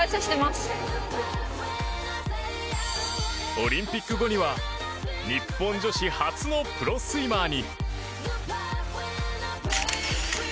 オリンピック後には日本女子初のプロスイマーに。